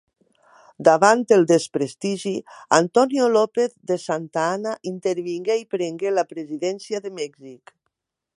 Davant el desprestigi, Antonio López de Santa Anna intervingué i prengué la presidència de Mèxic.